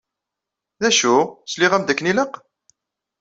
D acu? Sliɣ-am-d akken ilaq?